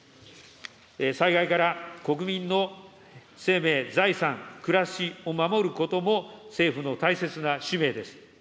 災害から国民の生命・財産・暮らしを守ることも、政府の大切な使命です。